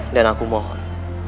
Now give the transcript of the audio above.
dan aku mohon